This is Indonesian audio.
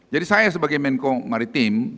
jadi saya sebagai menko maritim